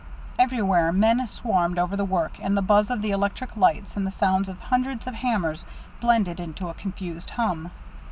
Everywhere men swarmed over the work, and the buzz of the electric lights and the sounds of hundreds of hammers blended into a confused hum.